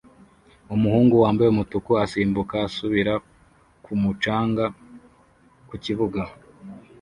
Umuhungu wambaye umutuku asimbuka asubira ku mucanga ku kibuga